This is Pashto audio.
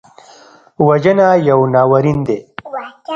وژنه یو ناورین دی